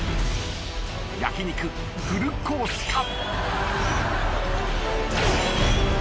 焼き肉フルコースか？